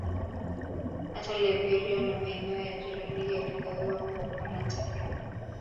Hata Liberia na maeneo ya jirani yaligawiwa kwa Ufaransa pia